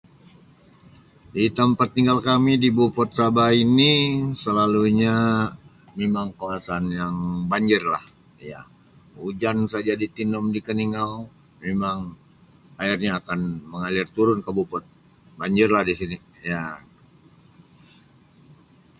Di tempat tinggal kami di Beaufort Sabah ini selalunya memang kawasan yang banjirlah ya hujan saja di Tenom di Keningau memang airnya akan mengalir turun ke Beaufort banjirlah di sini ya.